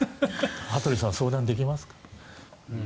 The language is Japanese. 羽鳥さんは相談できますか？